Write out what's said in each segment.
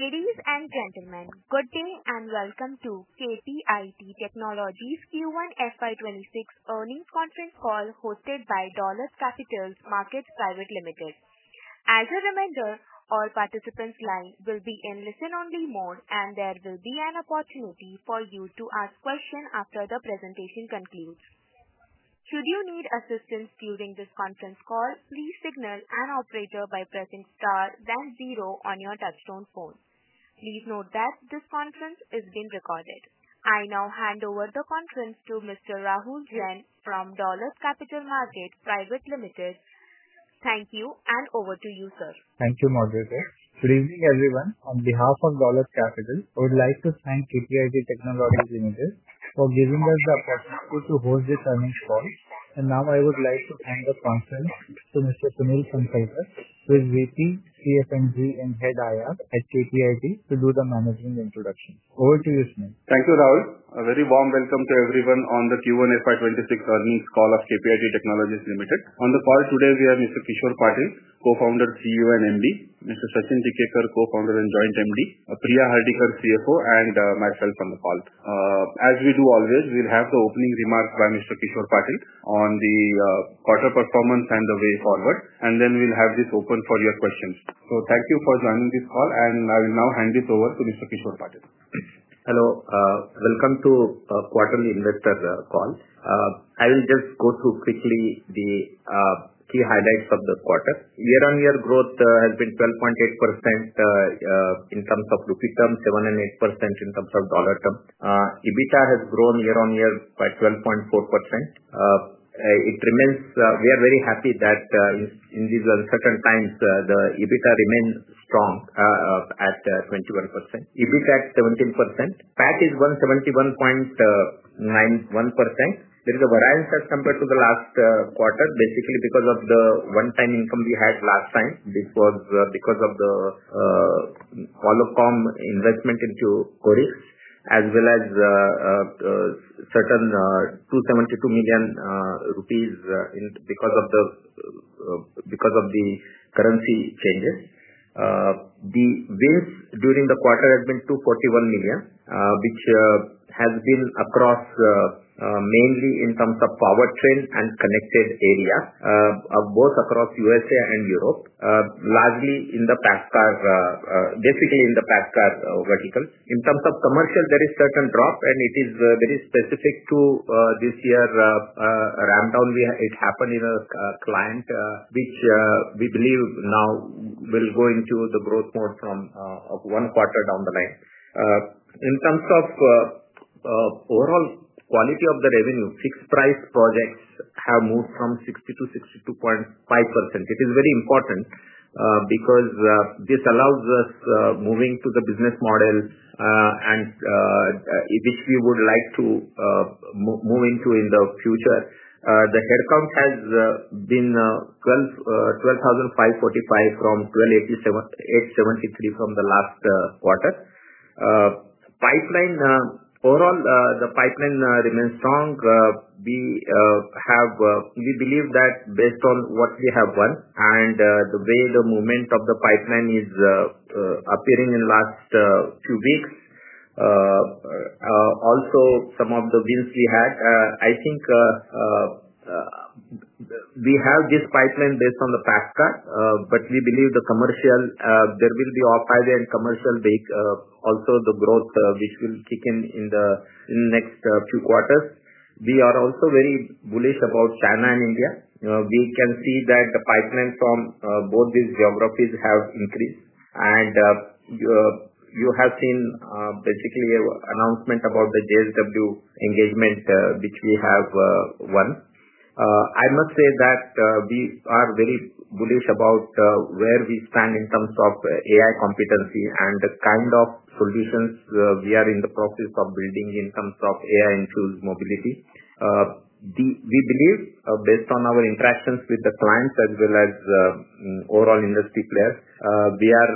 Ladies and gentlemen, good day and welcome to KPIT Technologies Q1FY26 Earnings Conference Call hosted by Dolat Capital Markets Private Limited. As a reminder, all participants' lines will be in listen-only mode and there will be an opportunity for you to ask questions after the presentation concludes. Should you need assistance during this conference call, please signal an operator by pressing star then zero on your touch-tone phone. Please note that this conference is being recorded. I now hand over the conference to Mr. Rahul Jain from Dolat Capital Markets Private Limited. Thank you. And over to you, sir. Thank you, Moderator. Good evening, everyone. On behalf of Dolat Capital, I would. Like to thank KPIT Technologies Limited for. Giving us the opportunity to host this earnings call. I would like to thank. The conference to Mr. Sunil Phansalkar who. Is Head Investor Relations at KPIT to do the Managing Introduction. Over to you, Sunil. Thank you, Rahul. A very warm welcome to everyone on the Q1FY26 earnings call of KPIT Technologies Limited. On the call today we have Mr. Kishor Patil, Co-founder, CEO and MD, Mr. Sachin Tikekar Co-founder and Joint MD, Priya Hardikar, CFO, and myself. On the call as we do always. We'll have the opening remarks by Mr. Kishor Patil on the quarter performance and the way forward. We will then have this open for your questions. Thank you for joining this call. I will now hand this over to Mr. Kishor Patil. Hello. Welcome to Quarterly Investor Call. I will just go through quickly the key highlights of the quarter. Year on year growth has been 12.8% in terms of rupee terms and 8% in terms of dollar terms. EBITDA has grown year on year quite at 12.4%. It remains, we are very happy that in these uncertain times the EBITDA remains strong at 21%. EBITDA at 17% PAT is 171.91 million. There is a variance as compared to the last quarter, basically because of the one-time income we had last time. This was because of the Qualcomm investment into CorES as well as certain 272 million rupees because of the currency changes. The wins during the quarter had been $241 million, which has been across mainly in terms of powertrain and connected area both across U.S. and Europe, largely in the passenger car segment. Basically, in the passenger car vertical in terms of commercial, there is certain drop and it is very specific to this year ramp down. It happened in a client which we believe now will go into the growth mode from one quarter down the line. In terms of overall quality of the revenue, fixed-price projects have moved from 60% - 62.5%. It is very important because this allows us moving to the business model which we would like to move into in the future. The headcount has been 12,545 from 873 from the last quarter. Pipeline. Overall, the pipeline remains strong. We believe that based on what we have won and the way the movement of the pipeline is appearing in last few weeks, also some of the wins we had. I think we have this pipeline based on the passenger car segment, but we believe the commercial there will be off-highway and commercial also the growth which will kick in the next few quarters. We are also very bullish about China and India. We can see that the pipeline from both these geographies have increased and you have seen basically announcement about the JSW MG Motor engagement which we have won. I must say that we are very bullish about where we stand in terms of AI competency and the kind of solutions we are in the process of building. In terms of AI-infused mobility, we believe based on our interactions with the clients as well as overall industry players, we are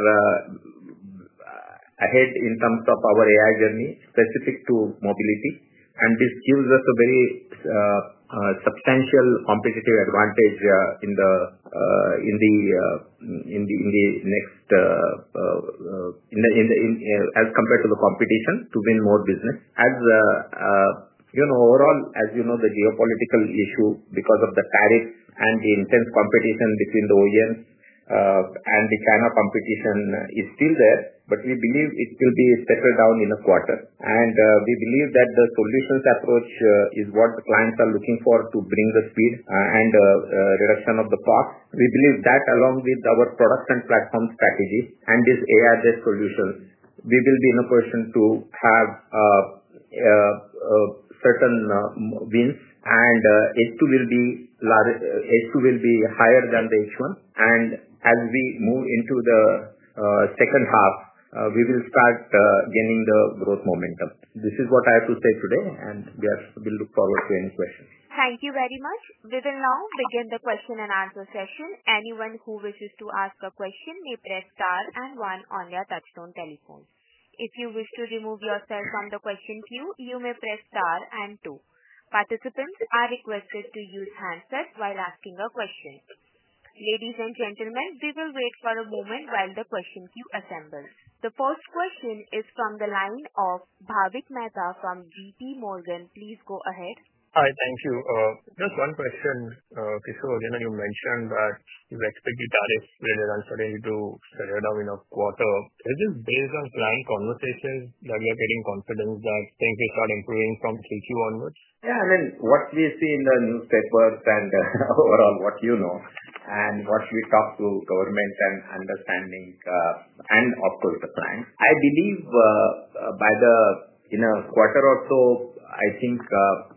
ahead in terms of our AI journey specific to mobility. This gives us a very substantial competitive advantage in the next as compared to the competition to win more business. As you know, the geopolitical issue because of the tariff and the intense competition between the OEMs and the China competition is still there, but we believe it will be settled down in a quarter and we believe that the solutions approach is what the clients are looking for to bring the speed and reduction of the park. We believe that along with our product and platform strategy and this AI based solution, we will be in a position to have certain wins and H2 will be higher than the H1. As we move into the second half, we will start gaining the growth momentum. This is what I have to say today and we look forward to any questions. Thank you very much. We will now begin the question and answer session. Anyone who wishes to ask a question may press star and one on their touch-tone telephone. If you wish to remove yourself from the question queue, you may press star and two. Participants are requested to use a handset while asking a question. Ladies and gentlemen, we will wait for a moment while the question queue assembles. The first question is from the line of Bhavik Mehta from J.P. Morgan. Please go ahead. Hi. Thank you. Just one question. Kishor, you mentioned that you expect the tariff rate and uncertainty to shut it. Down in a quarter. Is this based on planned conversations that we are getting confidence that things will start improving from Q onwards? Yeah, I mean what we see in the newspapers and overall what you know and what we talk to government and understanding and of course the plan, I believe by the in a quarter or so I think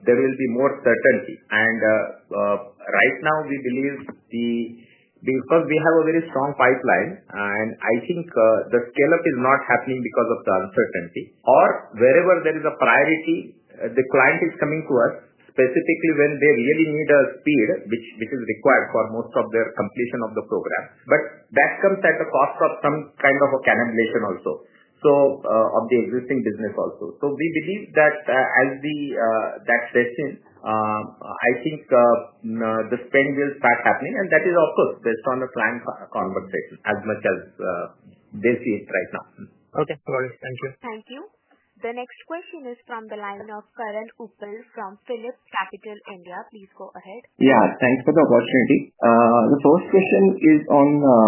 there will be more certainty. Right now we believe because we have a very strong pipeline and I think the scale up is not happening because of the uncertainty or wherever there is a priority. The client is coming to us specifically when they really need a speed which is required for most of their completion of the program. That comes at the cost of some kind of a cannibalization also of the existing business also. We believe that as that, I think the spend will start happening and that is of course based on the planned conversation as much as they see it right now. Okay, thank you. Thank you. The next question is from the line of Karan Uppal from PhillipCapital (India). Please go ahead. Yeah, thanks for the opportunity. The first question is on the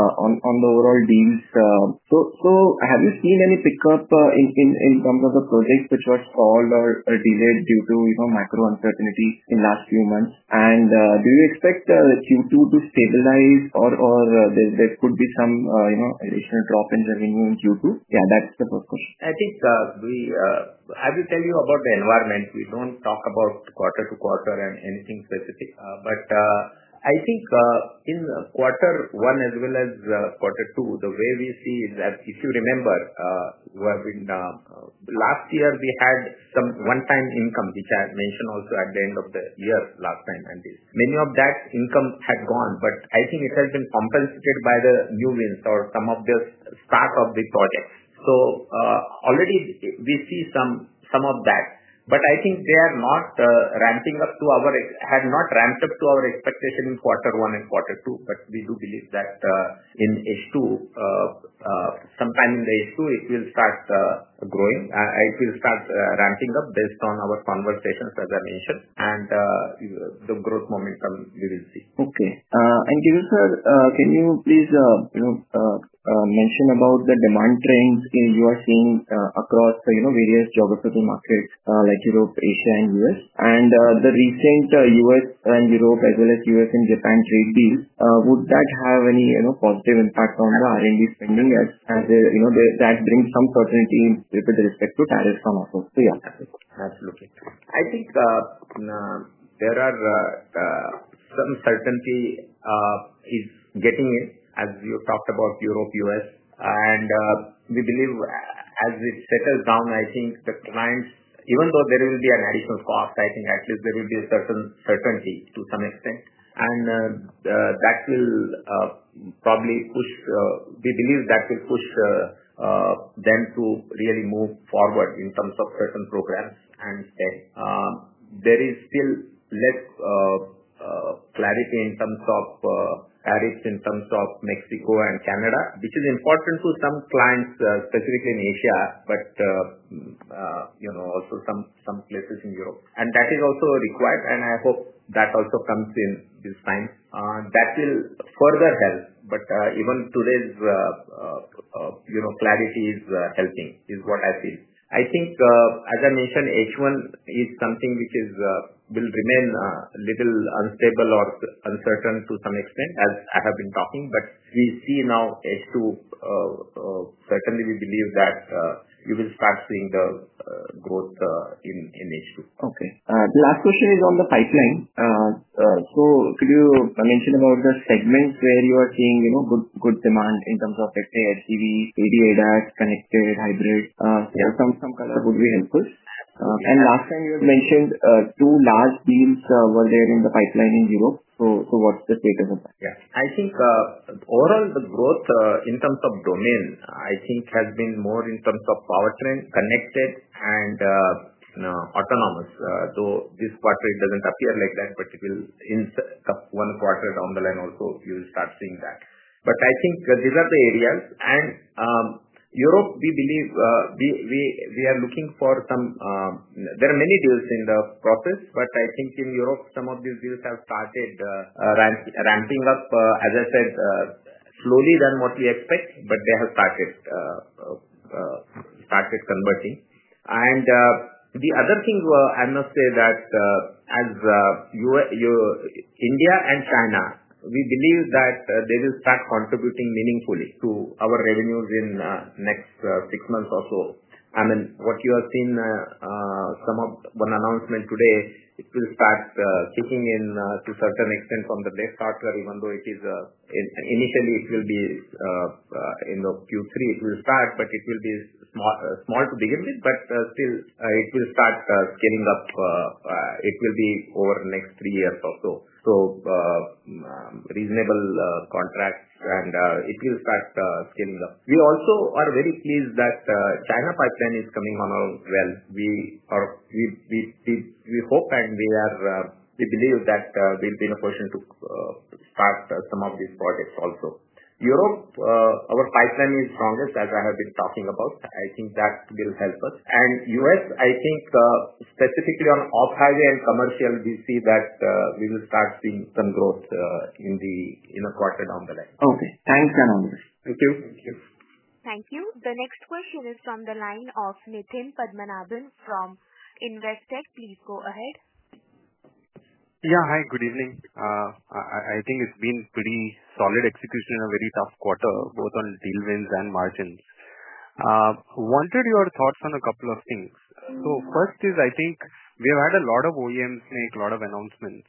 overall deals. Have you seen any pickup in. terms of the project which was stalled or delayed due to macro uncertainty in the last few months, do you expect Q2 to stabilize or could there be some additional drop in revenue in Q2? Yeah, that's the first question. I think I will tell you about the environment. We don't talk about quarter to quarter and anything specific, but I think in quarter one as well as quarter two, the way we see is that if you remember last year, we had some one-time income, which I mentioned also at the end of the year last time, and many of that income had gone, but I think it has been compensated by the new wins or some of the start of the project. Already we see some of that, but I think they are not ramping up to our, had not ramped up to our expectation in quarter one and quarter two. We do believe that in H2, sometime in the H2, it will start growing, it will start ramping up. Based on our conversations, as I mentioned, and the growth momentum, we will see. Okay. Can you please mention about the demand trends you are seeing across various geographical markets like Europe, Asia, and U.S., and the recent U.S. and Europe as well as U.S. and Japan trade deal? Would that have any positive impact on the R&D spending that brings some certainty with respect to tariffs on offer? Absolutely, I think there are some certainties getting in as you talked about Europe, US, and we believe as it settles down, I think the clients, even though there will be an additional cost, I think at least there will be a certainty to some extent, and that will probably push, we believe that will push them to really move forward in terms of certain programs and stay. There is still less clarity in terms of Arabs, in terms of Mexico and Canada, which is important to some clients, specifically in Asia, but you know, also some places in Europe, and that is also required, and I hope that also comes in this time. That will further help. Even today's, you know, clarity is helping is what I feel. I think as I mentioned, H1 is something which will remain a little unstable or uncertain to some extent as I have been talking. We see now H2, certainly we believe that you will start seeing the growth in H2. Okay, the last question is on the pipeline. Could you mention about the segments where you are seeing good demand in terms of HGV, ADAPT, connected, hybrid would be helpful. Last time you had mentioned two large deals were there in the pipeline in Europe. What's the status of that? I think overall the growth in terms of domain has been more in terms of powertrain, connected, and autonomous, though this quarter it doesn't appear like that. In one quarter down the line, you start seeing that. I think these are the areas, and Europe, we believe, we are looking for some. There are many deals in the process. In Europe, some of these deals have started ramping up, as I said, slowly than what we expect. They have started converting. The other thing I must say is that as India and China, we believe that they will start contributing meaningfully to our revenues in the next six months or so. What you have seen, some of one announcement today, it will start kicking in to a certain extent from the next quarter. Even though initially it will be in Q3, it will start, but it will be small to begin with. It will start scaling up. It will be over the next three years or so. Reasonable contracts, and it will start scaling up. We also are very pleased that China pipeline is coming on. We hope and we believe that we'll be in a position to start some of these projects. Also, Europe, our pipeline is strongest, as I have been talking about. I think that will help us, and U.S., I think specifically on off-highway and commercial, we see that we will start seeing some growth in the quarter down the line. Okay, thanks. Thank you. Thank you. The next question is from the line of Nitin Padmanabhan from Investec. Please go ahead. Yeah, hi, good evening. I think it's been pretty solid execution. A very tough quarter both on deal wins and margins. Wanted your thoughts on a couple of things. First is I think we've had a lot of OEMs make a lot of announcements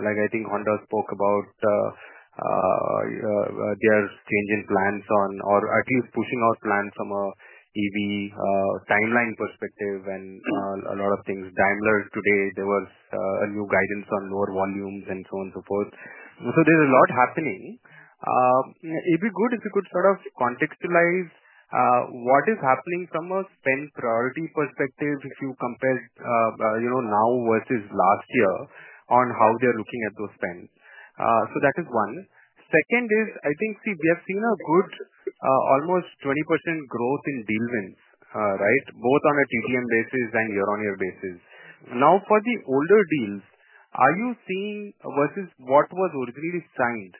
like I think Honda spoke about their change in plans on or at least pushing out plans from an EV timeline perspective and a lot of things. Daimler today, there was a new guidance on lower volumes and so on and so forth. There's a lot happening. It'd be good if we could sort of contextualize what is happening from a spend priority perspective. If you compare now versus last year on how they are looking at those spends. That is one. Second is I think we have seen a good almost 20% growth in deal wins both on a TTM basis and year-on-year basis. Now for the older deals, are you seeing versus what was originally signed,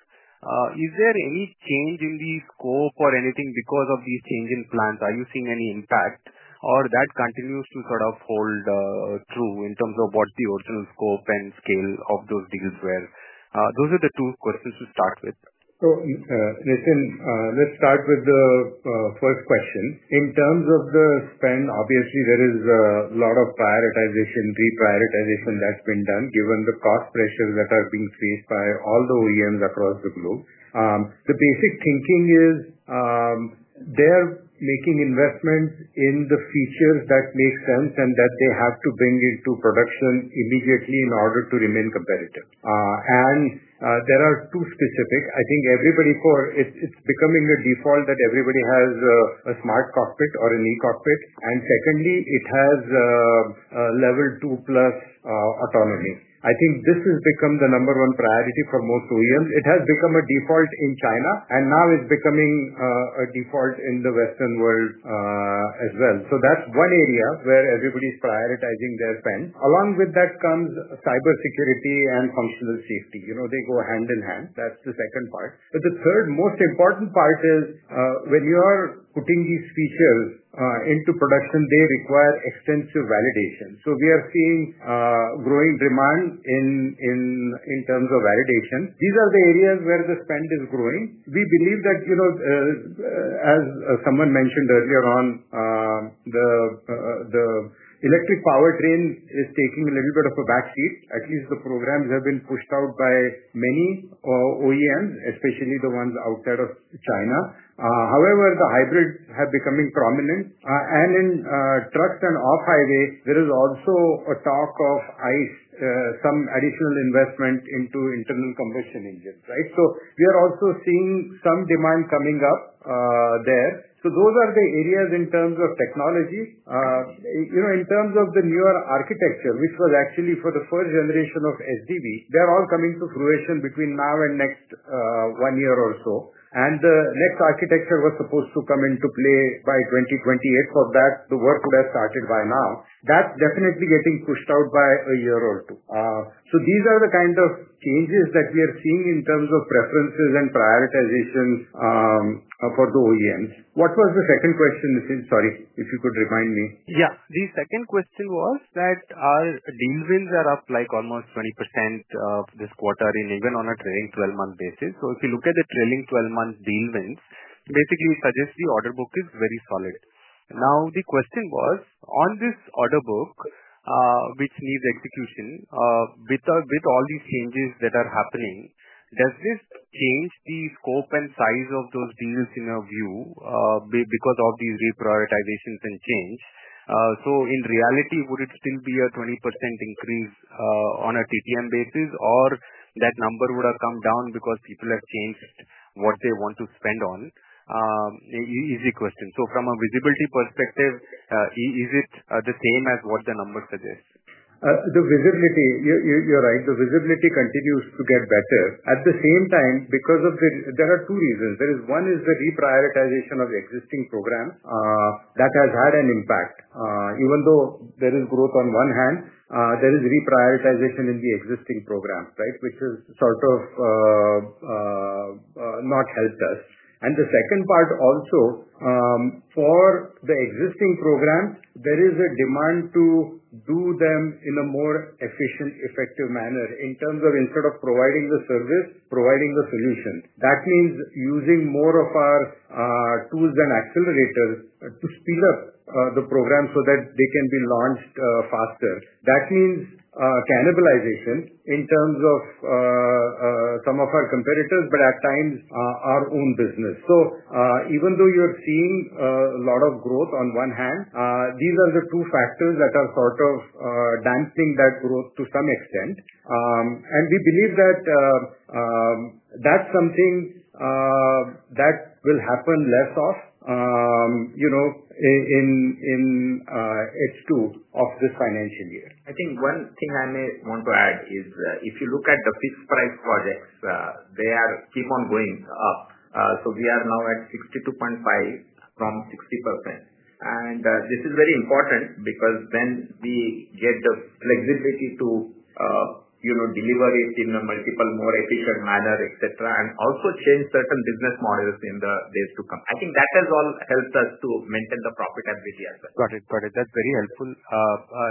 is there any change in the scope or anything because of these change in plans? Are you seeing any impact or that continues to sort of hold true in terms of what the original scope and scale of those deals were. Those are the two questions to start with. Nitin, let's start with the first question. In terms of the spend, obviously there is a lot of prioritization, reprioritization that's been done given the cost pressures that are being faced by all the OEMs across the globe. The basic thinking is they're making investments in the features that make sense and that they have to bring into production immediately in order to remain competitive. There are two specific. I think for everybody it's becoming a default that everybody has a smart cockpit or a new cockpit. Secondly, it has Level 2+ autonomy. I think this has become the number one priority for most OEMs. It has become a default in China and now it's becoming a default in the Western world as well. That's one area where everybody's prioritizing their spends. Along with that comes cybersecurity and functional safety. They go hand in hand. That's the second part. The third most important part is when you are putting these features into production, they require extensive validation. We are seeing growing demand in terms of validation. These are the areas where the spend is growing. We believe that as someone mentioned earlier on, the electric powertrain is taking a little bit of a backseat at least. The programs have been pushed out by many OEMs, especially the ones outside of China. However, the hybrids have become prominent and in trucks and off-highway there is also a talk of ICE, some additional investment into internal combustion engines. We are also seeing some demand coming up there. Those are the areas in terms of technology, in terms of the newer architecture, which was actually for the first generation of SDV, they are all coming to fruition between now and next one year or so. The next architecture was supposed to come into play by 2028. For that, the work would have started by now. That's definitely getting pushed out by a year or two. These are the kind of changes that we are seeing in terms of preferences and prioritization for the OEMs. What was the second question, Nitin? Sorry, if you could remind me. Yeah, the second question was that our deal wins are up like almost 20% this quarter and even on a trailing twelve month basis. If you look at the trailing twelve, basically suggests the order book is very solid. Now the question was on this order book which needs execution with all these changes that are happening, does this change the scope and size of those deals in a view because of these reprioritizations and change. In reality, would it still be a 20% increase on a TTM basis or that number would have come down because people have changed what they want to spend on. Easy question. From a visibility perspective, is it the same as what the number suggests? The visibility? You're right, the visibility continues to get better at the same time because of the. There are two reasons. One is the reprioritization of existing programs that has had an impact even though there is growth. On one hand, there is reprioritization in the existing program which has sort of not helped us. The second part, also for the existing program, there is a demand to do them in a more efficient, effective manner in terms of instead of providing the service, providing the solution. That means using more of our tools and accelerators to speed up the program so that they can be launched faster. That means cannibalization in terms of some of our competitors, but at times our own business. Even though you're seeing a lot of growth on one hand, these are the two factors that are sort of dampening that growth to some extent. We believe that that's something that will happen less of in H2 of this financial year. I think one thing I may want to add is if you look at the fixed-price projects, they keep on going up. We are now at 62.5% - 60%, and this is very important because then we get the flexibility to deliver it in a multiple more efficient manner, et cetera, and also change certain business models. I think that has all helped us to maintain the profitability as well. Got it, got it. That's very helpful.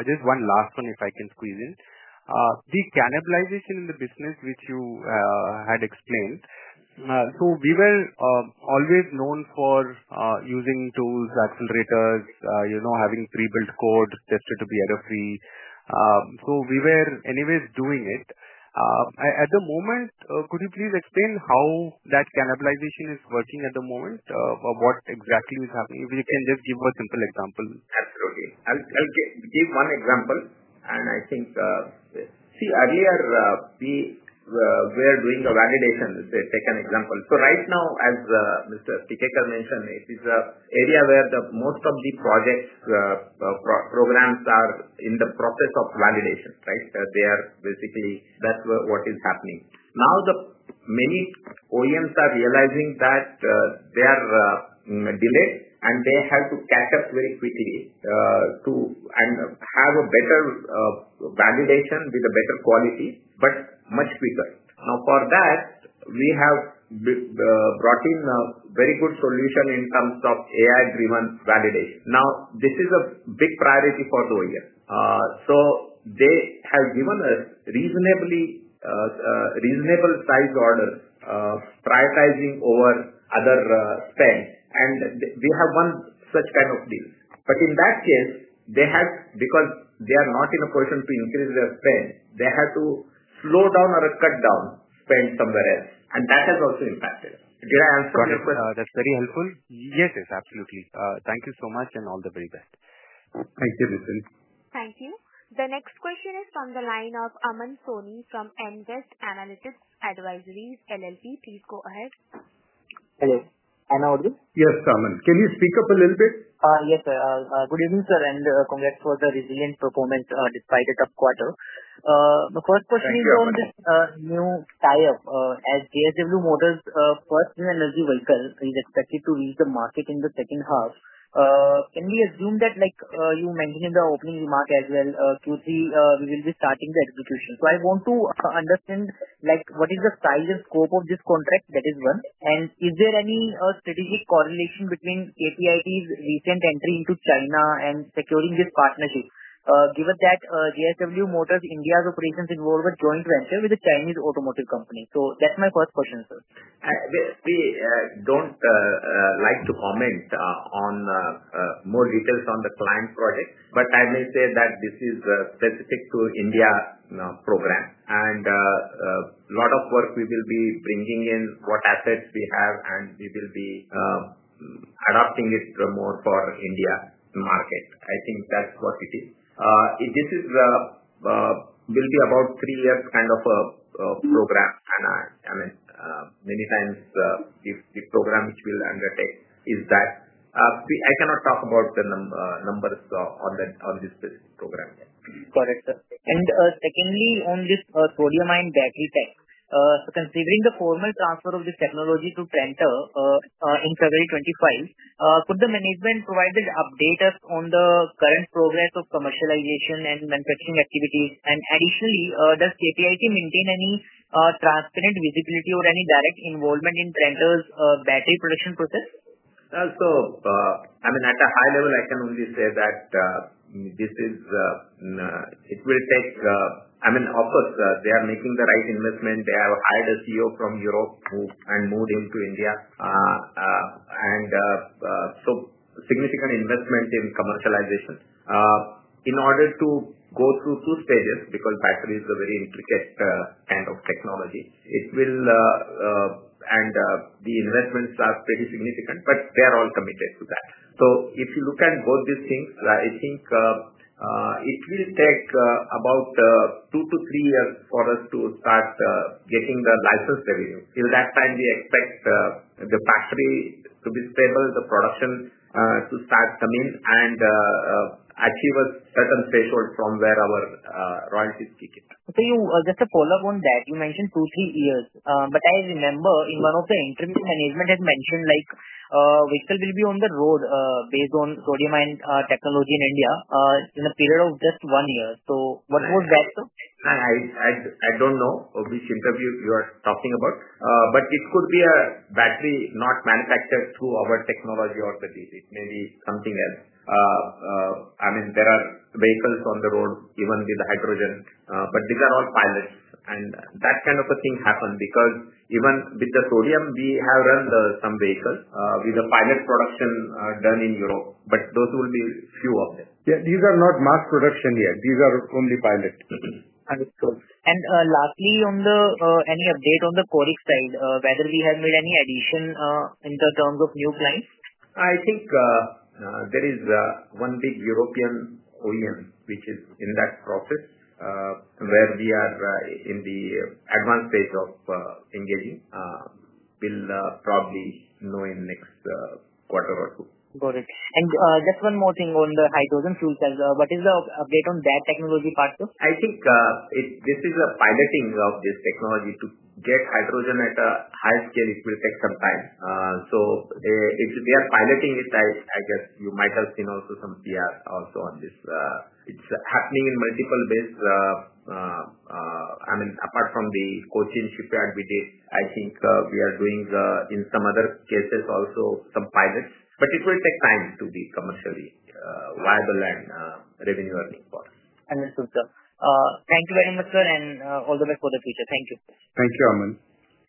Just one last one, if I can squeeze in the cannibalization in the business which you had explained. We were always known for using tools, accelerators, you know, having pre-built code tested to be error free. We were anyways doing it at the moment. Could you please explain how that cannibalization is working at the moment? What exactly is happening? If you can just give a simple example. Absolutely. I'll give one example and I think earlier we were doing a validation, take an example. Right now, as Mr. Tikekar mentioned, it is an area where most of the projects and programs are in the process of validation. They are basically, that's what is happening now. Many OEMs are realizing that they are delayed and they have to catch up very quickly to have a better validation with better quality but much quicker. For that, we have brought in a very good solution in terms of AI-driven validation. This is a big priority for the OEM. They have given us a reasonable size order, prioritizing over other spend, and we have one such kind of deal. In that case, because they are. Not in a position to increase their. They had to slow down or cut down spend somewhere else, and that has also impacted. Did I answer your question? Yes, absolutely. Thank you so much, and all the very best. Thank you, Nitin. Thank you. The next question is from the line of Aman Soni from Nvest Analytics Advisories LLP. Please go ahead. Hello, I'm I audible? Yes, Aman, can you speak up a little bit? Yes. Good evening sir and congrats for the resilient performance despite a tough quarter. The first question is on this new tie up as JSW MG Motor first new energy vehicle is expected to reach the market in the second half. Can we assume that like you mentioned in the opening remark as well, Q3 we will be starting the execution? I want to understand what is the size and scope of this contract, that is one. Is there any strategic correlation between KPIT Technologies Limited's recent entry into China and securing this partnership, given that JSW MG Motor India's operations involve a joint venture with a Chinese automotive company? That's my first question sir. We don't like to comment on more details on the client project, but I may say that this is specific to India program and a lot of work. We will be bringing in what assets we have, and we will be adopting it more for India market. I think that's what it is. This will be about three years, kind of a program, and many times the program which we'll undertake is that I cannot talk about the numbers on this specific program. Got it, sir. Secondly, on this sodium-ion battery tech, considering the formal transfer of this technology to CorES in February 2025, could the management provide an update on the current progress of commercialization and manufacturing activities? Additionally, does KPIT maintain any transparent visibility or any direct involvement in CorES battery production process? At a high level, I can only say that it will take. Of course, they are making the right investment. They have hired a CEO from Europe and moved into India, and significant investment in commercialization in order to go through two stages. Because battery is a very intricate kind of technology and the investments are pretty significant, but they are all committed to that. If you look at both these things, I think it will take about two to three years for us to start getting the license revenue. Till that time, we expect the factory to be stable, the production to start coming, and achieve a certain threshold from where our royalties kick in. Just a follow up on that. You mentioned two, three years, but I remember in one of the interviews management had mentioned like VCL will be on the road based on sodium-ion technology in India in a period of just one year. What was that, sir? I don't know which interview you are talking about, but it could be a battery not manufactured through our technology or the device. It may be something else. I mean, there are vehicles on the road even with hydrogen, but these are all pilots, and that kind of a thing happens because even with the sodium. We have run some vehicles with the pilot production done in Europe, but those will be few of them. These are not mass production yet. These are only pilot. Understood. Lastly, on any update on the coating side, whether we have made any addition in terms of new clients. I think there is one big European OEM which is in that process where we are in the advanced stage of engaging. We'll probably know in next quarter or two. Got it. Just one more thing on the hydrogen fuel cells, what is the update on that technology part? I think this is a piloting of this technology to get hydrogen at a high scale. It will take some time. We are piloting it. I guess you might have seen also some PR also on this. It's happening in multiple ways. Apart from the coaching shipyard we did, I think we are doing in some other cases also some pilots. It will take time to be commercially viable and revenue earning for us. Understood, sir. Thank you very much, sir. All the best for the future. Thank you. Thank you, Aman.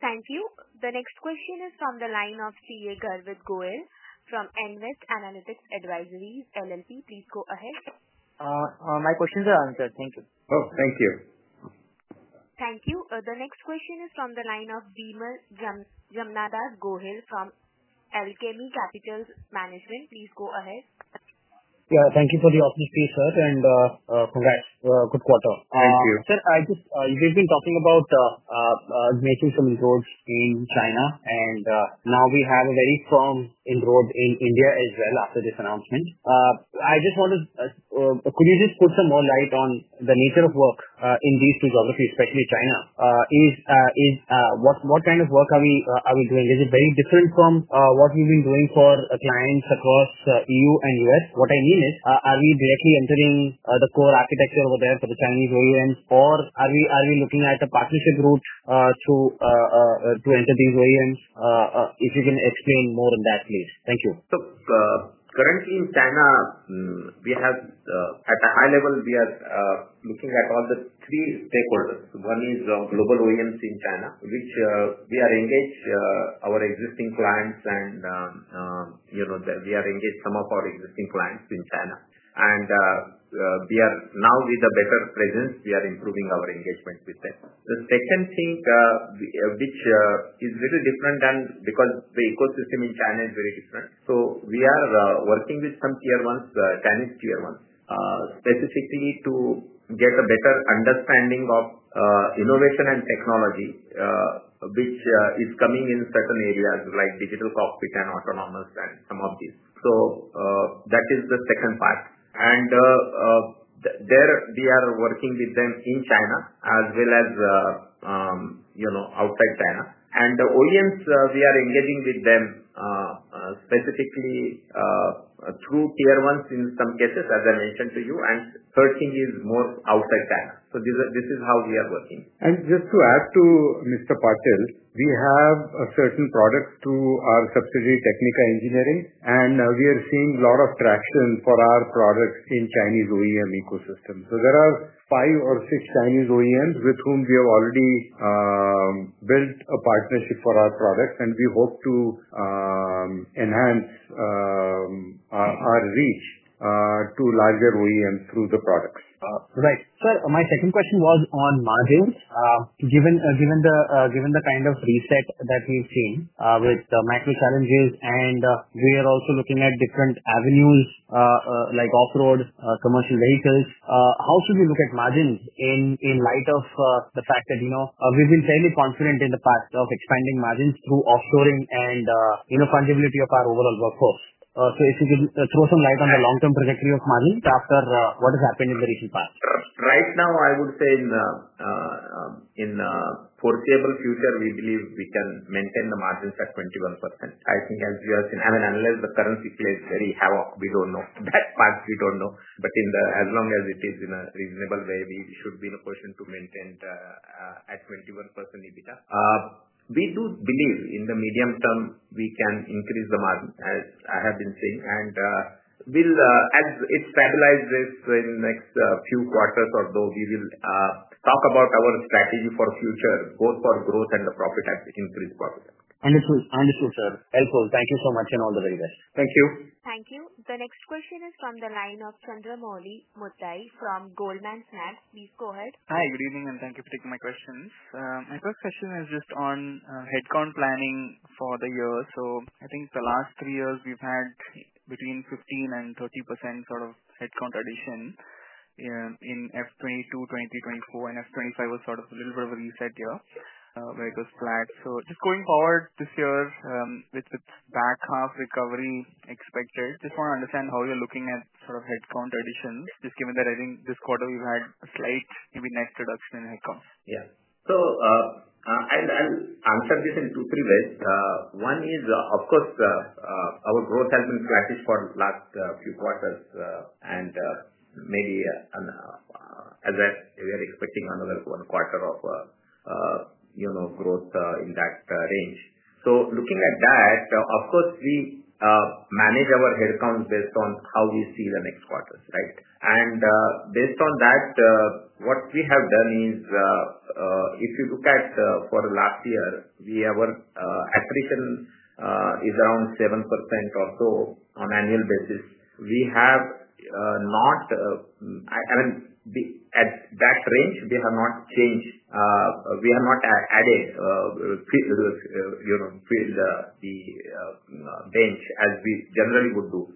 Thank you. The next question is from the line of CA Garvit Goyal from Nvest Analytics Advisories LLP. Please go ahead. My questions are answered. Thank you. Thank you. Thank you. The next question is from the line of Vimal Jamnadas Gohil from Alchemy Capital Management. Please go ahead. Thank you for the opportunity, sir, and congrats. Good quarter. Thank you. sir. I just. We've been talking about making some inroads in China, and now we have a very firm inroad in India as well. After this announcement, I just want to, could you just put some more light on the nature of work in these two geographies, especially China? What kind of work are we doing? Is it very different from what we've been doing for clients across Europe and U.S.? What I mean is, are we directly entering the core architecture over there for the Chinese OEMs, or are we looking at a partnership route to enter these OEMs? If you can explain more on that, please. Thank you. Currently in China, we have at a high level, we are looking at all the three stakeholders. One is global OEMs in China, which we are engaged, our existing clients, and we are engaged some of our existing clients in China. Now with a better presence, we are improving our engagement with them. The second thing, which is a little different because the ecosystem in China is very different, we are working with some Chinese Tier one, specifically, to get a better understanding of innovation and technology which is coming in certain areas like digital cockpit and autonomous and some of these. That is the second part. There we are working with them in China as well as outside China. The OEMs, we are engaging with them specifically through Tier ones in some cases, as I mentioned to you, and searching is more outside. This is how we are working. To add to Mr. Patil, we have certain products through our subsidiary, Technica Engineering, and we are seeing a lot of traction for our products in the Chinese OEM ecosystem. There are five or six Chinese OEMs with whom we have already built a partnership for our products, and we hope to enhance our reach to larger OEMs through the products. Right, Sir, my second question was on margins. Given the kind of reset that we've seen with macro challenges and we are also looking at different avenues like off-highway, commercial vehicles, how should we look at margins in light of the fact that we've been fairly confident in the past of expanding margins through offshoring and fungibility of our overall workforce? If you could throw some light on the long-term trajectory of margins after what has happened in the recent. Past, right now I would say in foreseeable future we believe we can maintain the margins at 21%. I think as we have seen, unless the currency plays very havoc. We don't know that part. We don't know but as long as it is in a reasonable way we should be in a position to maintain at 21% EBITDA. We do believe in the medium term we can increase the margin as I have been saying and as it stabilizes in next few quarters, we will talk about our strategy for future both for growth and the profit as the increase profit. Understood, sir. Helpful. Thank you so much and all the very best. Thank you. Thank you. The next question is from the line of Chandramouli Muthiah from Goldman Sachs. Please go ahead. Hi, good evening and thank you for taking my questions. My first question is just on headcount planning for the year. I think the last three years we've had between 15% and 30% sort of headcount addition in 2022, 2023 and 2024, and 2025 was sort of a little bit of a reset year where it was flat. Just going forward this year with back half recovery expected, I just want to understand how you're looking at sort of headcount additions just given that I think this quarter we've had a slight maybe net reduction in headcount. Yes. I'll answer this in two, three ways. One is, of course, our growth has been flattish for the last few quarters, and maybe we are expecting another quarter of growth in that range. Looking at that, of course, we manage our headcount based on how we see the next quarters. Right. Based on that, what we have done is, if you look at the last year, our attrition is around 7% or so on an annual basis. At that range, we have not changed, we have not added the bench as we generally would do.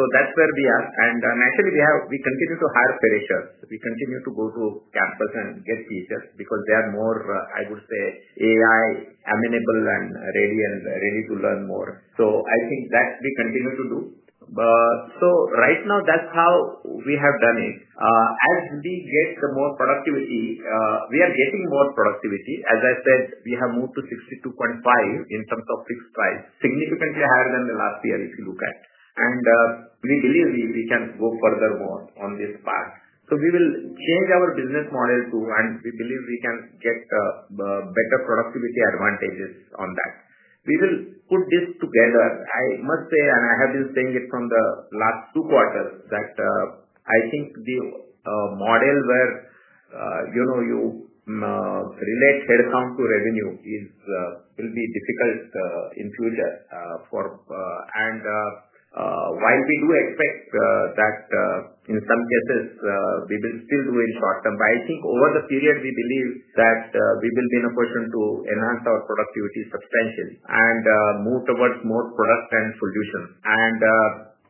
That's where we are, and naturally, we continue to hire freshers, we continue to go to campus and get teachers because they are more, I would say, AI amenable and ready to learn more. I think that we continue to do so. Right now, that's how we have done it. As we get more productivity, we are getting more productivity. As I said, we have moved to 62.5% in terms of fixed-price, significantly higher than last year. If you look at it, we believe we can go further on this path. We will change our business model too, and we believe we can get better productivity advantages on that. We will put this together. I must say, and I have been saying it for the last two quarters, that I think the model where you relate headcount to revenue will be difficult in the future. While we do expect that in some cases we will still do it in the short term, I think over the period we believe that we will be in a position to enhance our productivity substantially and move towards more product and solutions.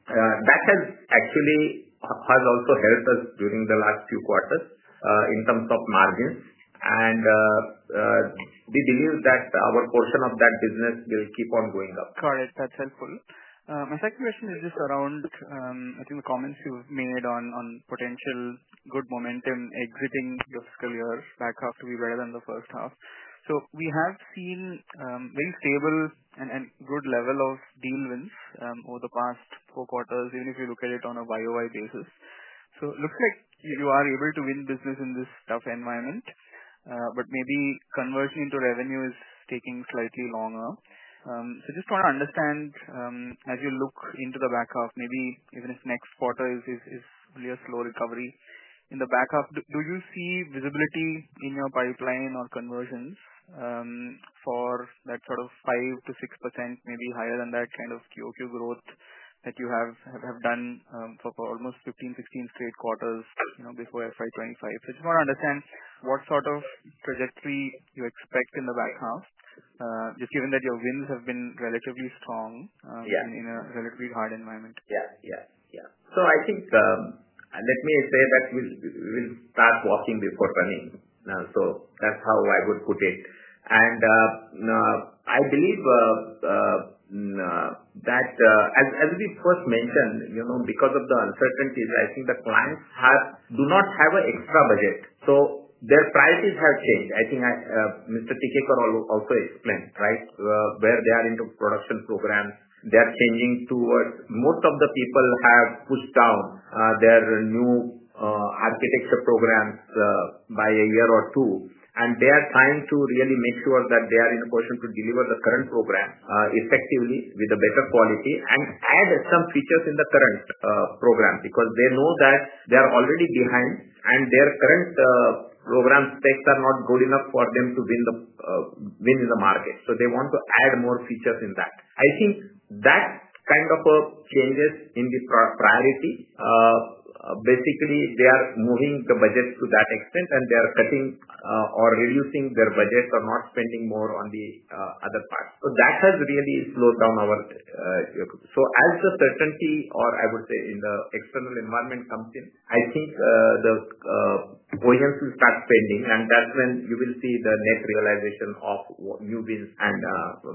That has actually helped us during the last few quarters in terms of margins, and we believe that our portion of that business will keep on going up. Got it. That's helpful. My second question is just around, I think, the comments you've made on potential good momentum exiting the fiscal year, back half to be better than the first half. We have seen very stable and good level of deal wins over the past four quarters, even if you look at it on a year-over-year basis. It looks like you are able to win business in this tough environment. Maybe conversion into revenue is taking slightly longer. I'm just trying to understand, as you look into the back half, maybe even if next quarter is only a slow recovery in the back half, do you see visibility in your pipeline or conversions for that sort of 5 - 6%, maybe higher than that kind of quarter-over-quarter growth that you have done for almost 15, 16 straight quarters before FY2025? I just want to understand what sort of trajectory you expect in the back half, just given that your wins have been relatively strong in a relatively hard environment. Yeah. Yeah. I think let me say that we will start walking before running. That's how I would put it. I believe that as we first mentioned, you know, because of the uncertainties, the clients do not have an extra budget. Their prices have changed. I think Mr. Tikekar also explained right where they are into production programs, they are changing towards most of the people have pushed down their new architecture programs by a year or two, and they are trying to really make sure that they are in a position to deliver the current program effectively with better quality and add some features in the current program because they know that they are already behind and their current program specs are not good enough for them to win the program win in the market. They want to add more features in that. I think that kind of a change is in the priority. Basically, they are moving the budget to that extent, and they are cutting or reducing their budget or not spending more on the other part. That has really slowed down our, as the certainty or I would say in the external environment comes in, the start spending and that's when you will see the net realization of new wins and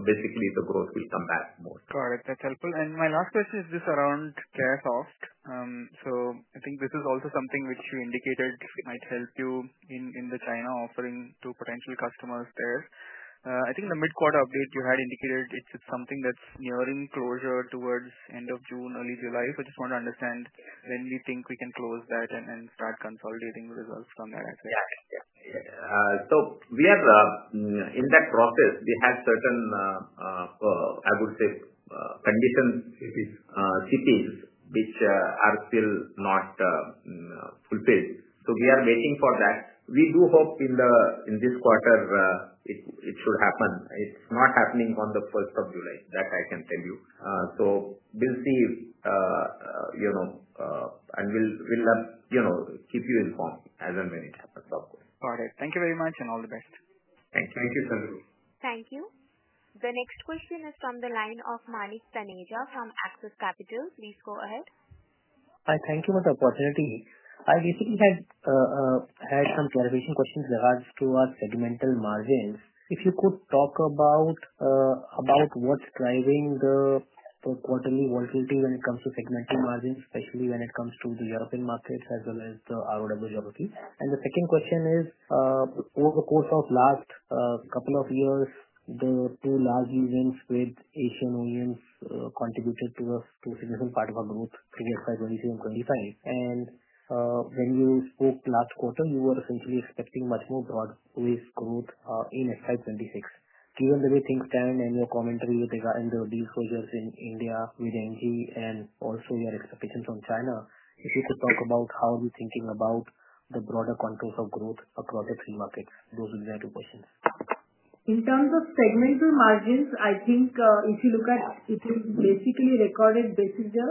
basically the growth will come back more. Got it. That's helpful. My last question is this around Caresoft. I think this is also something which you indicated might help you in the China offering to potential customers there. I think the mid-quarter update you had indicated it's something that's nearing closure towards end of June, early July. I just want to understand when we think we can close that and start consolidating results from that. We are in that process. We have certain, I would say, conditions which are still not fulfilled. We are waiting for that. We do hope in this quarter it should happen. It's not happening on the 1st of July, that I can tell you. We'll see, you know, and we'll keep you informed as and when it happens. All right. Thank you very much, and all the best. Thank you. Thank you, Sandharoo. Thank you. The next question is from the line of Manik Taneja from Axis Capital. Please go ahead. Thank you for the opportunity. I recently had some clarification questions regarding our segmental margins. If you could talk about what's driving the quarterly volatility when it comes to segment margins, especially when it comes to the European markets as well as the global geography. The second question is over the course of the last couple of years the two large events with Asian OEMs contributed to a significant part of our growth in FY2023 and FY2025. When you spoke last quarter you were essentially expecting much more broad-based growth in FY2026 given the way things stand and your commentary with these closures in India with JSW MG Motor and also your expectations on China, if you could talk about how you are thinking about the broader contours of growth across the three markets those would be the two questions. In terms of segmental margins, I think if you look at it, it is basically recorded, basically the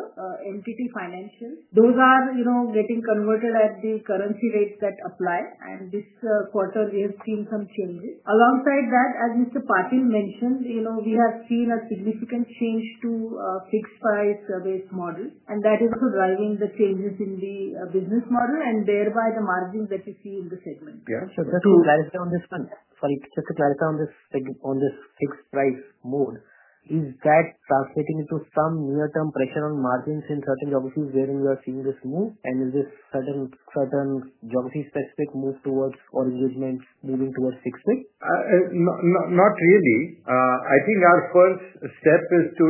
entity financials, those are getting converted at the currency rate that apply, and this quarter we have seen some changes. Alongside that, as Mr. Patil mentioned, we have seen a significant change to fixed-price base model, and that is also driving the changes in the business model and thereby the margins that you see in the segment. Sorry, just to clarify on this fixed-price mode, is that translating into some near-term pressure on margins in certain geographies where you are seeing this move, and is this a certain geography-specific move towards, or moving towards, fixed-price? Not really. I think our first step is to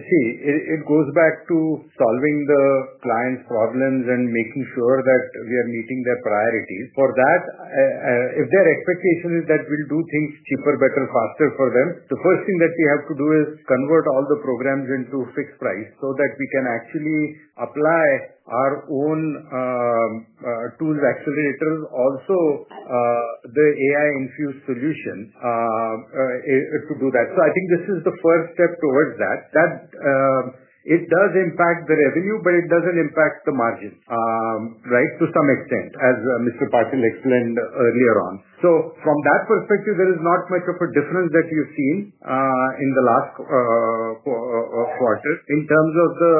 see it goes back to solving the client's problems and making sure that we are meeting their priorities for that. If their expectation is that we'll do things cheaper, better, faster for them, the first thing that we have to do is convert all the programs into fixed price so that we can actually apply our own tools, accelerators, also the AI-infused solutions to do that. I think this is the first step towards that. It does impact the revenue, but it doesn't impact the margin to some extent as Mr. Patil explained earlier on. From that perspective, there is not much of a difference that you've seen in the last quarter in terms of the,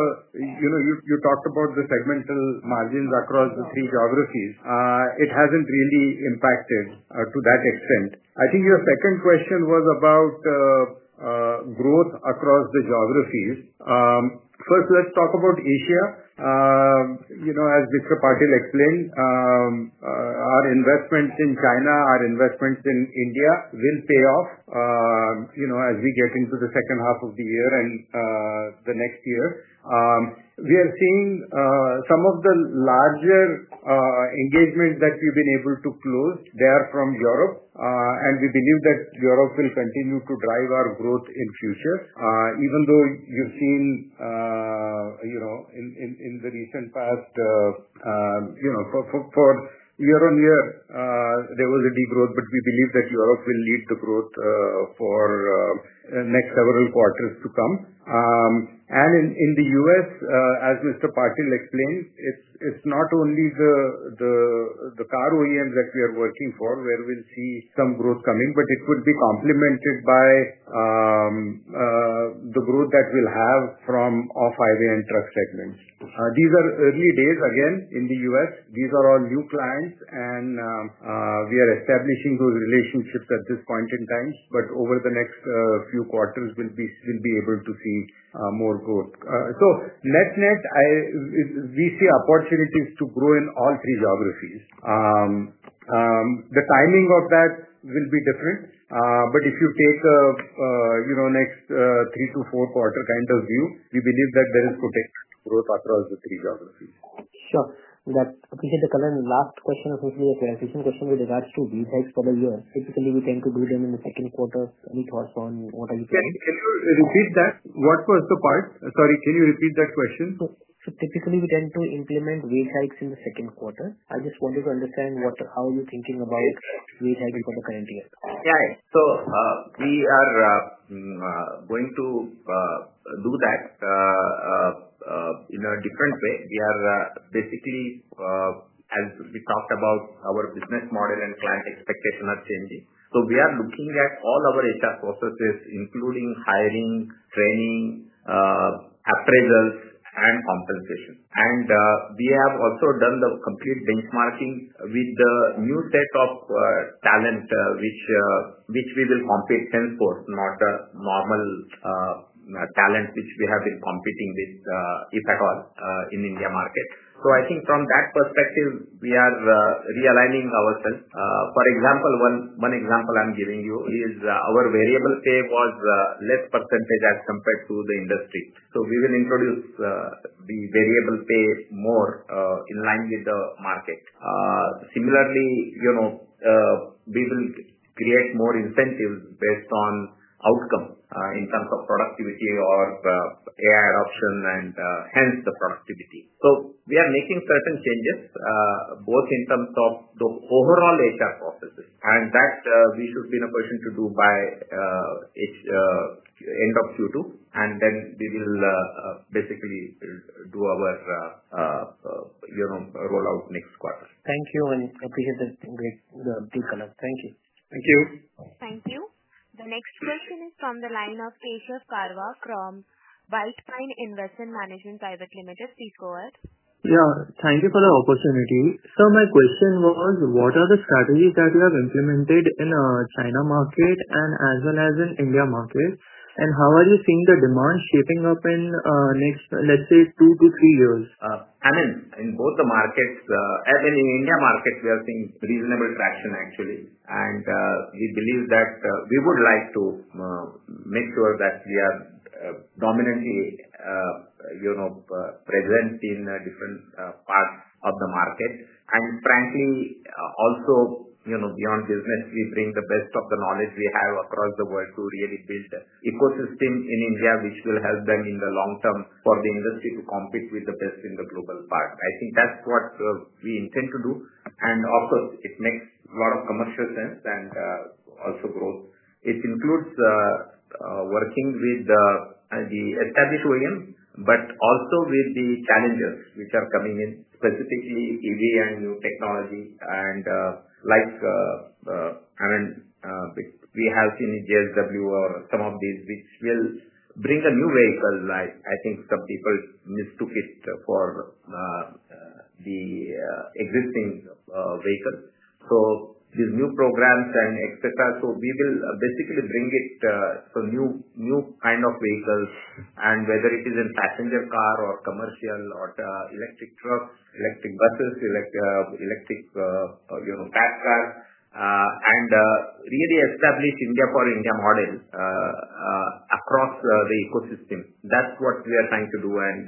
you know, you talked about the segmental margins across the three geographies. It hasn't really impacted to that extent. I think your second question was about growth across the geographies. First, let's talk about Asia. As Mr. Patil explained, our investment in China, our investments in India will pay off. As we get into the second half of the year and the next year, we are seeing some of the larger engagement that we've been able to close. They are from Europe and we believe that Europe will continue to drive our growth in future. Even though you've seen in the recent past, for year on year there was a degrowth. We believe that Europe will lead the growth for next several quarters to come. In the U.S., as Mr. Patil explained, it's not only the car OEMs that we are working for where we'll see some growth coming, but it would be complemented by the growth that we'll have from off-highway and truck segments. These are early days again in the U.S. These are all new clients and we are establishing those relationships at this point in time. Over the next few quarters, we'll be able to see more growth. Net, net, we see opportunities to grow in all three geographies. The timing of that will be different. If you take, you know, next three to four quarter kind of view, we believe that there is protected growth. Across the three geographies. Sure. Appreciate the color. Last question, essentially the clarification question with regards to these hikes for the year, typically we tend to do them in the second quarter. Any thoughts on what are you thinking? Can you repeat that? What was the part? Sorry, can you repeat that question? Typically, we tend to implement wage hikes in the second quarter. I just wanted to understand how you're thinking about it. We thank you for the current year. Yeah, we are going to do that in a different way. We are basically, as we talked about, our business model and client expectations are changing. We are looking at all our HR processes including hiring, training, appraisals, and compensation. We have also done the complete benchmarking with the new set of talent which we will compete, not normal talent which we have been competing with if at all in the India market. I think from that perspective we are realigning ourselves. For example, one example I am giving you is our variable pay was less percentage as compared to the industry. We will introduce the variable pay more in line with the market. Similarly, we will create more incentives based on outcome in terms of productivity or AI adoption and hence the productivity. We are making certain changes both in terms of the overall HR processes and that we should be in a position to do by its end of Q2, and then we will basically do our rollout next quarter. Thank you and appreciate the great deep color. Thank you. Thank you. Thank you. The next question is from the line of Keshav Karwa from White Pine Investment Management Private Limited. Please go ahead. Thank you for the opportunity. My question was what are the strategies that you have implemented in the China market as well as in the India market, and how are you seeing the demand shaping up in the next, let's say, 2-3 years? In both the markets, as in India markets, we are seeing reasonable traction actually, and we believe that we would like to make sure that we are dominantly, you know, present in different parts of the market. Frankly, also beyond business, we bring the best of the knowledge we have across the world to really build ecosystem in India, which will help them in the long term for the industry to compete with the best in the global part. I think that's what we intend to do. It makes a lot of commercial sense and also growth. It includes working with the established OEM but also with the challenges which are coming in, specifically EV and new technology, and like, I mean, we have seen in JSW MG Motor or some of these which will bring a new vehicle, like I think some people mistook it for the existing vehicle, so these new programs and et cetera. We will basically bring it, so new kind of vehicles, and whether it is in passenger car or commercial or electric truck, electric buses, electric cars, and really establish India for India model across the ecosystem. That's what we are trying to do, and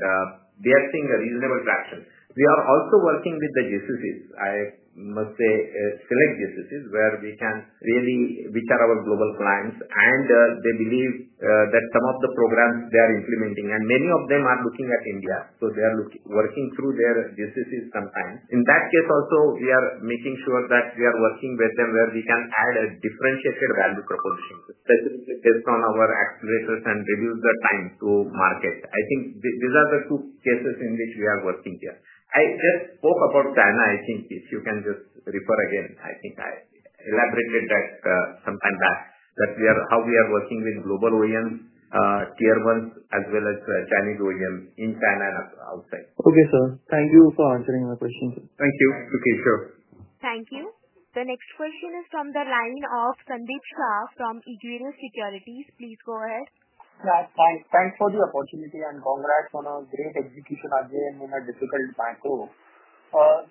we are seeing a reasonable traction. We are also working with the GCCs, I must say select GCC where we can really, which are our global clients. They believe that some of the programs they are implementing, and many of them are looking at India. They are working through their GCCs sometimes, in that case also we are making sure that we are working with them where we can add a differentiated value proposition, specifically based on our accelerators and reduce the time to market. I think these are the two cases in which we are working here. I just spoke about China. If you can just refer again, I think I elaborated that sometime back, that we are how we are working with global OEMs, tier 1 as well as Chinese OEMs in China and outside. Okay, sir, thank you for answering my question. Thank you. Thank you. The next question is from the line of Sandeep Shah from Equirus Securities. Please go ahead. Thanks for the opportunity and congrats on. A great execution again in a difficult macro.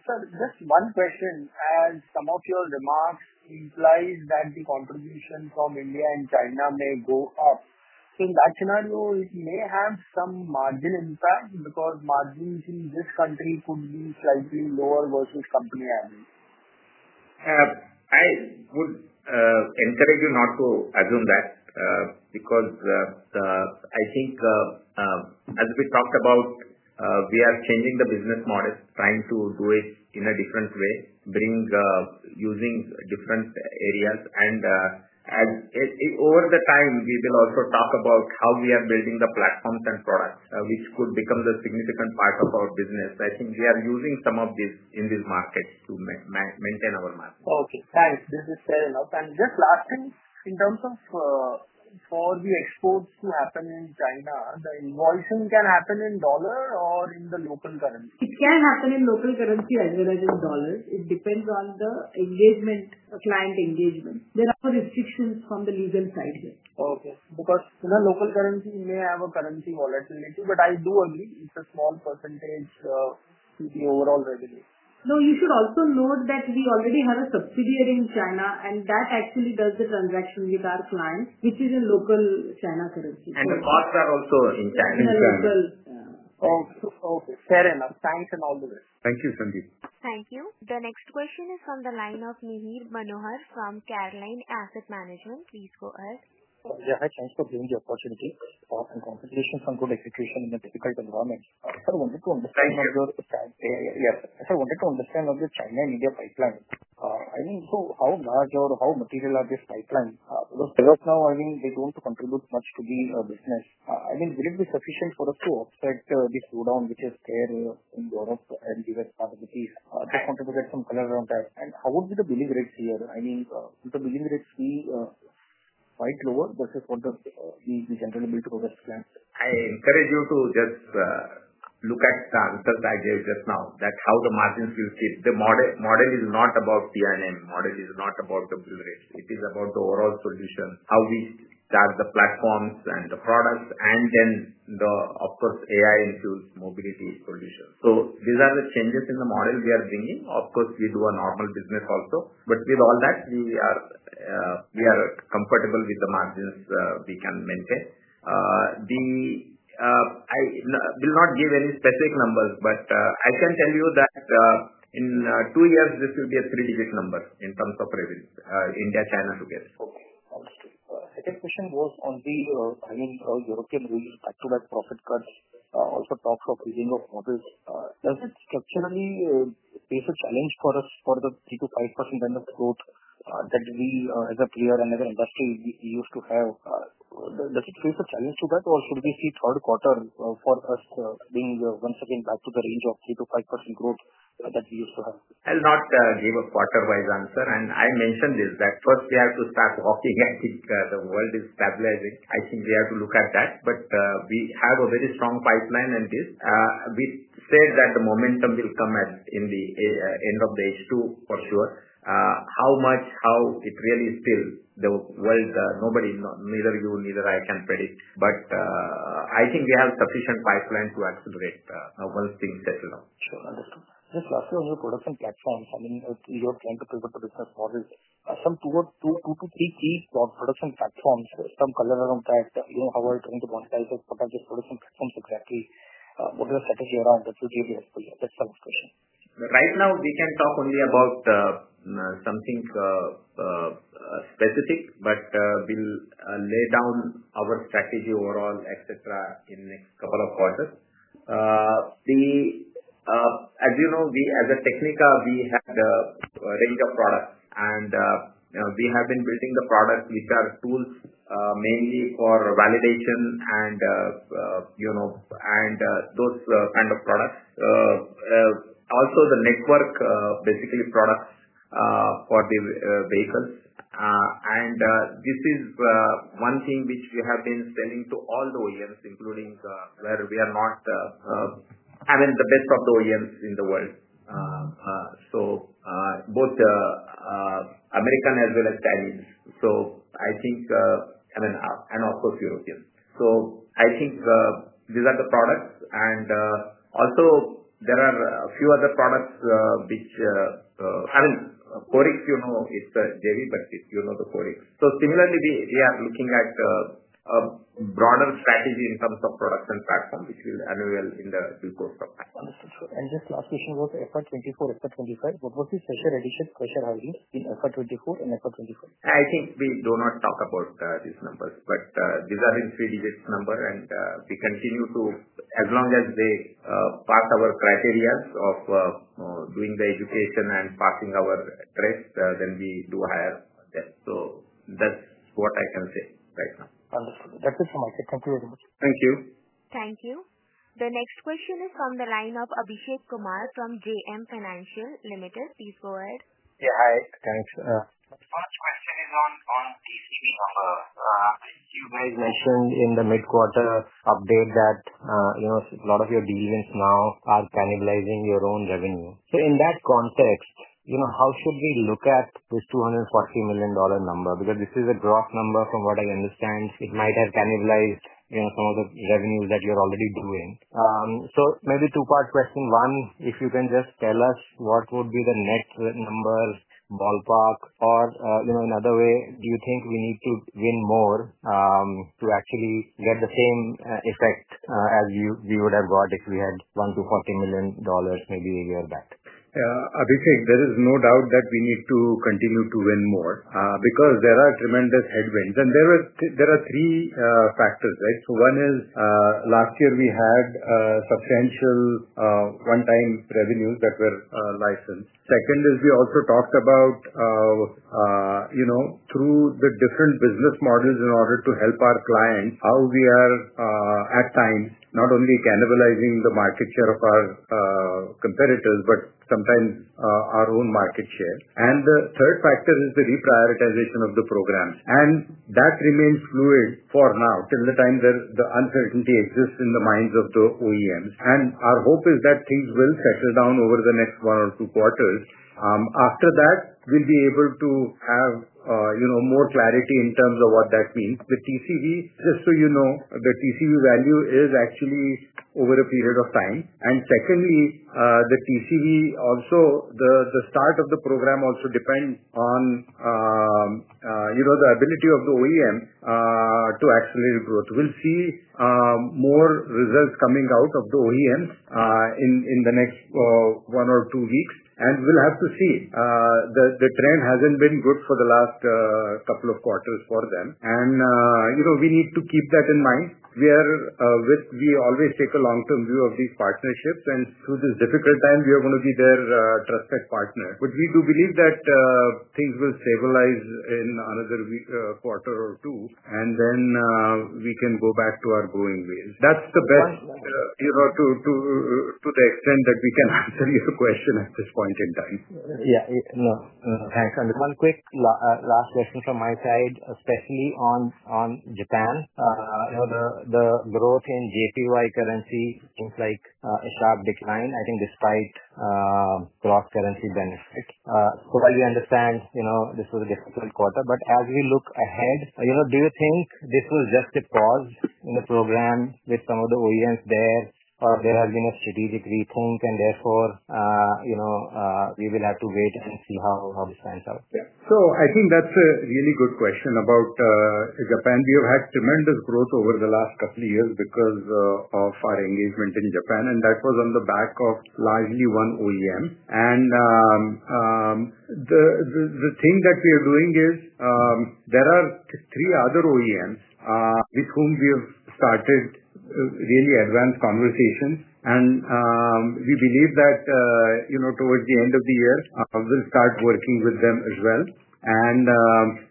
Sir, this one question as some of your remarks implies that the contribution from. India and China may go up. In that scenario, it may have some margin impact because margins in this country could be slightly lower versus company average. I would encourage you not to assume that because I think as we talked about, we are changing the business model, trying to do it in a different way, using different areas. Over the time we will also talk about how we are building the platforms and products which could become the significant part of our business. I think we are using some of these in these markets to maintain our market. Okay, thanks. This is fair enough. This last thing in terms of for the exports to happen in China, the invoicing can happen in dollar or in the local currency. It can happen in local currency as well as in dollars. It depends on the engagement, client engagement. There are restrictions from the legal side. Okay, because local currency may have a currency volatility. I do agree it's a small percentage to the overall revenue. You should also note that we already have a subsidiary in China and that actually does the transaction action with our clients, which is a local China currency. The costs are also in China. Okay, fair enough. Thanks and all the way. Thank you, Sandeep. Thank you. The next question is from the line of Nihar Manohar from Carlyle Asset Management. Please go ahead. How large or how material are these pipelines as of now? They don't contribute much to the business. Will it be sufficient for us to offset the slowdown which is there in Europe and given part of the piece? I just wanted to get some color around that. How would be the billing rates here? Will the billing rates be quite lower versus the general? I encourage you to just look at the answers I gave just now, that how the margins will shift. The model is not about pin model, it is not about the build rates. It is about the overall solution, how we start the platforms and the products, and then of course AI-infused mobility solutions. These are the changes in the model we are bringing. Of course, we do a normal business also, but with all that, we are comfortable with the margins we can maintain. I will not give any specific numbers, but I can tell you that in two years this will be a three-digit number in terms of revenue, India, China together. Second question was on the European real back-to-back profit cuts. Also talks of healing of models. Does it structurally face a challenge for us for the 3% - 5% kind of growth that we as a player and as an industry used to have? Does it face a challenge to that, or should we see third quarter for us being once again back to the range of 3% - 5% growth that we used to have? I'll not give a quarter wise answer. I mentioned this that first we have to start walking. I think the world is stabilizing. I think we have to look at that. We have a very strong pipeline and this we said that the momentum will come at the end of the H2 for sure. How much, how it really still the world? Nobody, neither you, neither I can predict. I think we have sufficient pipeline to accelerate once things settle down. Sure, understood. Just lastly on your production platforms, I mean you're trying to build up a business model, some two to three key production platforms, some color around that, you know, how are you trying to monetize it? What are your products and platforms exactly? What is the strategy around that will give you helpful? That's the question. Right now we can talk only about something specific, but we'll lay down our strategy overall, etc., in next couple of quarters. As you know, we as a technical, we have range of products and we have been building the products which are tools mainly for validation, and you know, and those kind of products, also the network basically product for the vehicles. This is one thing which we have been selling to all the OEMs, including where we are not having the best of the OEMs in the world, both American as well as Chinese. I mean, and of course European. I think these are the products, and also there are a few other products which, I mean, CorES, you know, it's JV, but you know, the CorES. Similarly, we are looking at a broader strategy in terms of production platform which will unveil in the course of time. Understood. This last question was for FY24, FY25. What was the pressure, addition pressure, hiring in FY24 and FY25? I think we do not talk about these numbers, but these are in three-digit number. We continue to, as long as they pass our criteria of doing the education and passing our trips, then we do hire them. That's what I can say right now. That's it for me, sir. Thank you very much. Thank you. Thank you. The next question is from the line of Abhishek Kumar from JM Financial Limited. Please go ahead. Yeah, hi. Thanks. First question is on TCV number. You guys mentioned in the mid-quarter. Update that a lot of your dealings now are cannibalizing your own revenue. In that context, how should we. Look at this $240 million number. Because this is a gross number, from what I understand, it might have cannibalized some of the revenues that you're already doing. Maybe two part question. One, if you can just tell us what would be the net number, ballpark, or another way, do you think we need to win more to actually get the same effect as we would have got if we had won $40 million maybe a year back? Abhishek, there is no doubt that we need to continue to win more because there are tremendous headwinds. There are three factors. One is last year we had substantial one-time revenues that were licensed. Second is we also talked about, you know, through the different business models in order to help our clients, how we are at times not only cannibalizing the market share of our competitors, but sometimes our own market share. The third factor is the reprioritization of the programs and that remains fluid for now till the time where the uncertainty exists in the minds of the OEMs. Our hope is that things will settle down over the next one or two quarters. After that we'll be able to have more clarity in terms of what that means. The TCV, just so you know, the TCV value is actually over a period of time. Secondly, the TCV, also the start of the program, also depend on the ability of the OEM to accelerate growth. We'll see more results coming out of the OEMs in the next one or two weeks. We'll have to see. The trend hasn't been good for the last couple of quarters for them and we need to keep that in mind. We always take a long-term view of these partnerships and through this difficult time we are going to be their trusted partner. We do believe that things will stabilize in another quarter or two and then we can go back to our growing ways. That's the best. To the extent that. We can answer your question at this point in time. Yeah. Thanks. One quick last question from my side, especially on Japan. The growth in JPY currency, things like a sharp decline, I think, despite cross currency benefit. While we understand this was a difficult quarter, as we look ahead, do you think this was just a pause in the program with some of the OEMs there, or there has been a strategic rethink and therefore we will have to wait and see how this pans out. I think that's a really good question about Japan. We have had tremendous growth over the last couple of years because of our engagement in Japan. That was on the back of largely one OEM. The thing that we are doing is there are three other OEMs with whom we have started really advanced conversations, and we believe that towards the end of the year we'll start working with them as well.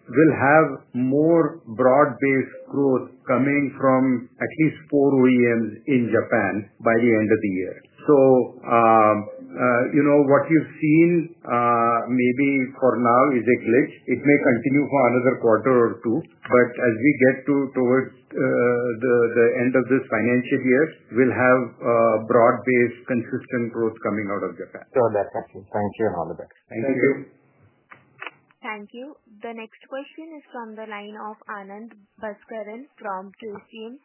We'll have more broad-based growth coming from at least four OEMs in Japan by the end of the year. What you've seen maybe for now is a glitch. It may continue for another quarter or two. As we get towards the end of this financial year, we'll have broad-based, consistent program coming out of Japan. Thank you and all the best. Thank you. Thank you. The next question is from the line of Anand Bhaskaran from KSEMA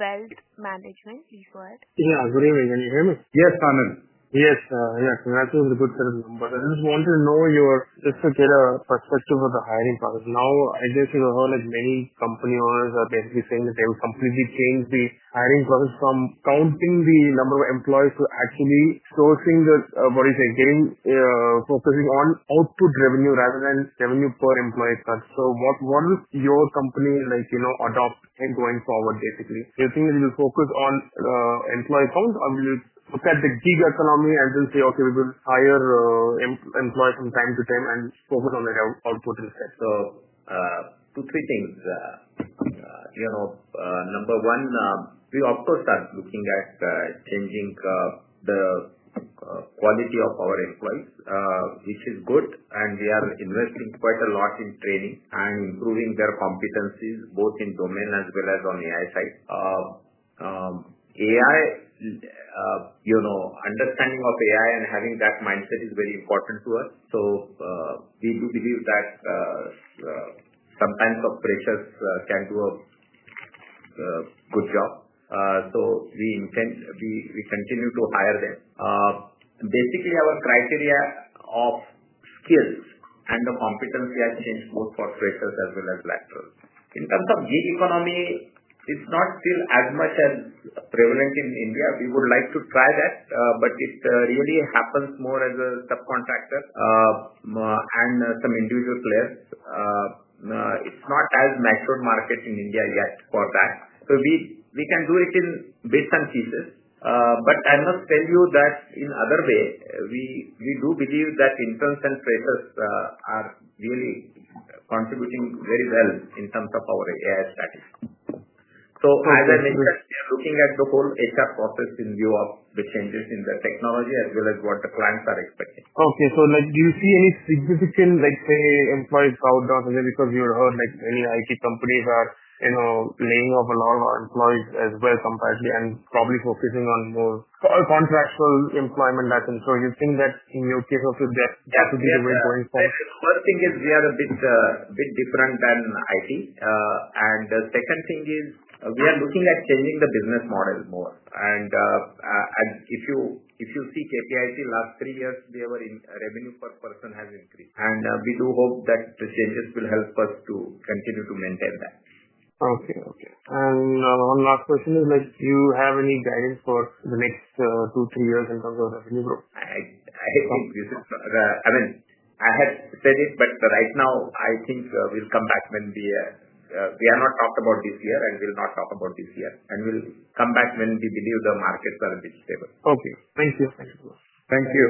Wealth Management. Please go ahead. Yeah, good evening, can you hear me? Yes, Anand. Yes, yes. That was a good set of numbers. I just wanted to know your, just to get a perspective of the hiring process now. I guess you heard like many company owners are basically saying that they will completely change the hiring process from counting. The number of employees to actually sourcing the. What is it getting, focusing on output revenue rather than revenue per employee cut? So what will your company, like, you know, adopt going forward? Basically, you think it will focus on. Employee count or will you look at the gig economy and then say okay, we will hire employees from time to time and focus on the output respect. Two, three things. Number one, we also start looking at changing the quality of our employees, which is good. We are investing quite a lot in training and improving their competencies both in domain as well as on AI side. AI, you know, understanding of AI and having that mindset is very important. We do believe that sometimes operations can do a good job. We continue to hire them. Basically, our criteria of skills and the competency has changed both for freshers as well as laterals. In terms of gig economy, it's not still as much as prevalent in India. We would like to try that. It really happens more as a subcontractor and some individual players. It's not as mature market in India yet for that. We can do it in bits and pieces. I must tell you that in other way we do believe that interns and freshers are really contributing very well in terms of our AI status. As I mentioned, we are looking at the whole HR process in view of the changes in the technology as well as what the clients are expecting. Okay, do you see any significant, like, say, employees crowd down? Because you heard, like, many IT companies are, you know, laying off a lot of our employees as well, compactly, and probably focusing on more contractual employment. Do you think that in your case that would be the way going forward? First thing is we are a bit different than IT. The second thing is we are looking at changing the business model more. If you see KPIT, last 3 years their revenue per person has increased, and we do hope that the changes will help us to continue to maintain that. Okay, okay. One last question is, do you have any guidance for the next two, three years in terms of revenue growth? I mean I had said it, but right now I think we'll come back when we have not talked about this year, and we will not talk about this year. We will come back when we believe the markets are a bit stable. Okay, thank you. Thank you.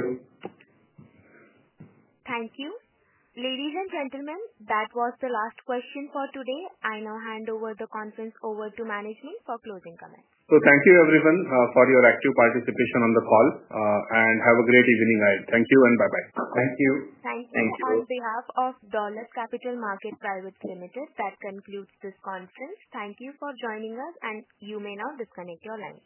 Thank you, ladies and gentlemen. That was the last question for today. I now hand over the conference to management for closing comments. Thank you everyone for your active participation on the call and have a great evening. Thank you and bye bye. Thank you. Thank you on behalf of Dolat Capital Markets Private Limited. That concludes this conference. Thank you for joining us and you may now disconnect your line.